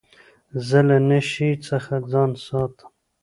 زه له نشې څخه ځان ساتم.